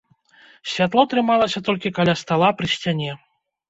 Святло трымалася толькі каля стала пры сцяне.